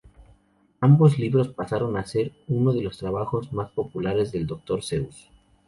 Ambos libros pasaron a ser uno de los trabajos más populares del Dr. Seuss.